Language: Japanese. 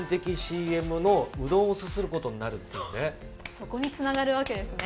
そこにつながるわけですね。